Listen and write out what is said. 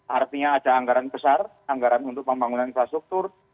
artinya ada anggaran besar anggaran untuk pembangunan infrastruktur